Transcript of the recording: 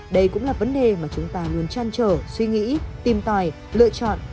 đây cũng là vấn đề mà chúng ta luôn chăn trở suy nghĩ tìm tòi lựa chọn